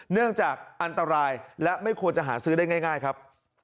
เนื่องจากอันตรายและไม่ควรจะหาซื้อได้ง่ายครับ